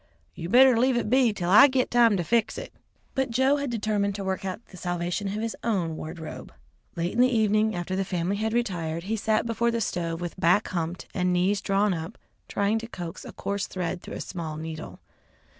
You better leave it be 'til I git time to fix it." But Joe had determined to work out the salvation of his own wardrobe. Late in the evening after the family had retired, he sat before the stove with back humped and knees drawn up trying to coax a coarse thread through a small needle.